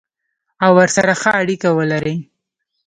او ورسره ښه اړیکه ولري.